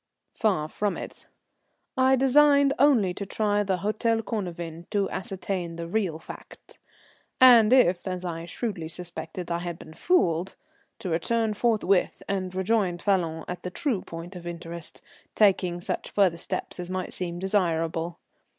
Far from it. I designed only to try the Hôtel Cornavin to ascertain the real facts; and if, as I shrewdly suspected, I had been fooled, to return forthwith and rejoin Falloon at the true point of interest, taking such further steps as might seem desirable.